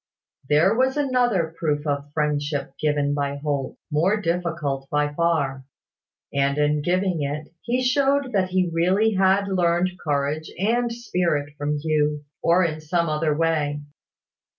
There was another proof of friendship given by Holt, more difficult by far; and in giving it, he showed that he really had learned courage and spirit from Hugh, or in some other way.